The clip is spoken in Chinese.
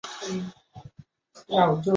类似于西医的慢性化脓性鼻窦炎。